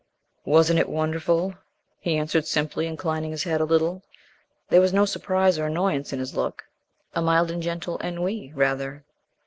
"Wasn't it wonderful?" he answered simply, inclining his head a little. There was no surprise or annoyance in his look; a mild and gentle ennui rather.